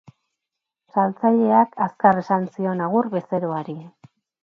Saltzaileak azkar esan zion agur bezeroari.